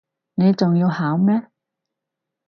你仲要考咩